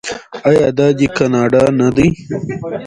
آیا دا دی کاناډا نه دی؟